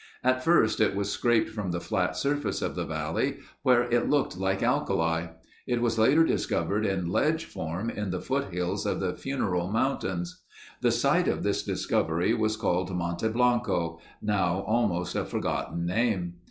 At first it was scraped from the flat surface of the valley where it looked like alkali. It was later discovered in ledge form in the foothills of the Funeral Mountains. The sight of this discovery was called Monte Blanco—now almost a forgotten name.